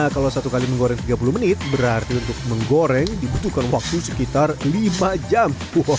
kalau satu kali menggoreng tiga puluh menit berarti untuk menggoreng dibutuhkan waktu sekitar lima jam